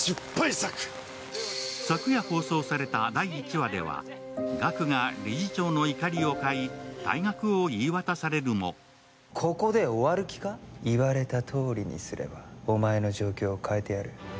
作や放送された第１話では岳が理事長の怒りを買い、退学を言い渡されるも言われたとおりにすれば、お前の状況を変えてやる。